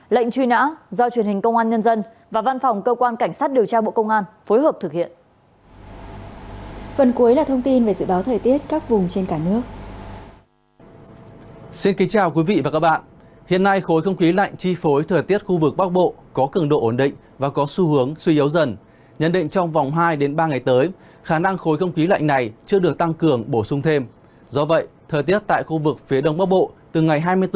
lệnh truy nã do truyền hình công an nhân dân và văn phòng cơ quan cảnh sát điều tra bộ công an phối hợp thực hiện